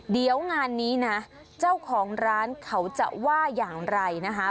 เดี๋ยวงานนี้นะเจ้าของร้านเขาจะว่าอย่างไรนะคะ